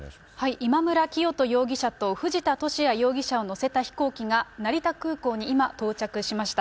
今村磨人容疑者と藤田聖也容疑者を乗せた飛行機が成田空港に今、到着しました。